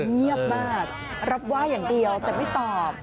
เงียบมากรับว่าอย่างเดียวแต่ไม่ตอบ